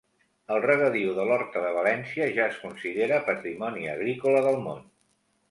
El regadiu de l'horta de València ja es considera patrimoni agrícola del món